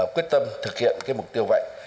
quyết tâm thực hiện mục tiêu vậy